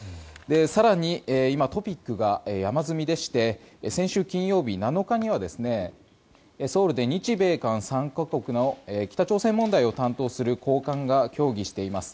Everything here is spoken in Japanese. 更に、今トピックが山積みでして先週金曜日、７日にはソウルで日米韓３か国の北朝鮮問題を担当する高官が協議しています。